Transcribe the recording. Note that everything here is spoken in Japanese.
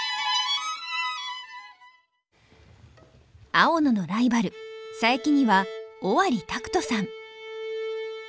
青野のライバル佐伯には尾張拓登さん。